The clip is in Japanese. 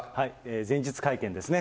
前日会見ですね。